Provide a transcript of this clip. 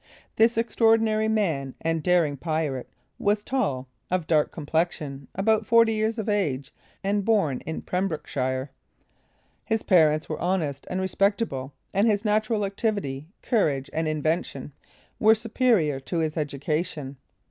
This extraordinary man and daring pirate was tall, of a dark complexion, about 40 years of age, and born in Pembrokeshire. His parents were honest and respectable, and his natural activity, courage, and invention, were superior to his education.